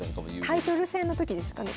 タイトル戦の時ですかね